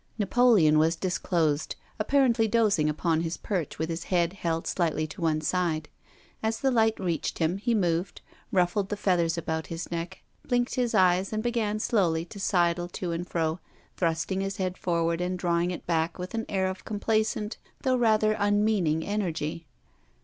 Napoleon was disclosed, appar ently dozing upon his perch with his head held slightly on one side. As the light reached him, he moved, ruffled the feathers about his neck, blinked his eyes, and began slowly to sidle to and fro, thrusting his head forward and drawing it back with an air of complacent, though rather unmeaning, energy.